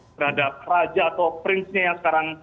terhadap raja atau prinsnya yang sekarang